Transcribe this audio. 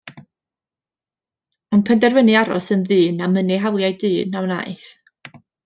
Ond penderfynu aros yn ddyn, a mynnu hawliau dyn, a wnaeth.